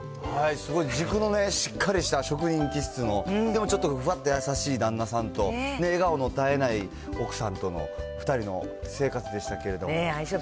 すごい軸のしっかりした職人気質の、でもちょっとふわっと優しい旦那さんと、笑顔の絶えない奥さんとの２人の生活でしたけれども。